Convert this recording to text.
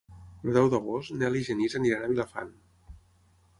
El deu d'agost en Nel i en Genís aniran a Vilafant.